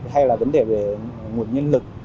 hay là vấn đề về nguồn nhân lực